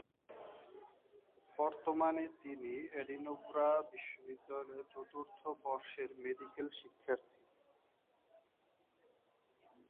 বর্তমানে তিনি এডিনবরা বিশ্ববিদ্যালয়ের চতুর্থ বর্ষের মেডিকেল শিক্ষার্থী।